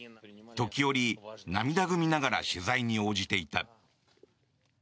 時折、涙ぐみながら取材に応じていた。